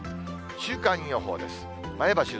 週間予報です。